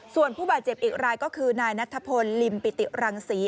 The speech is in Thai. ส่วนผู้บาดเจ็บอีกรายก็คือนายนัทพลลิมปิติรังศรี